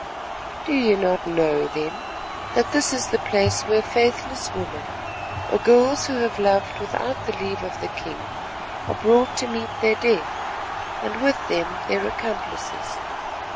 "Do you not know, then, that this is the place where faithless women, or girls who have loved without the leave of the king, are brought to meet their death, and with them their accomplices.